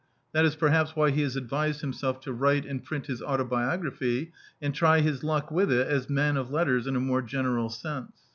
That is perhaps why he has advised himself to write and print his autobi ography, and try his luck with it as Man of Letters in a more general sense.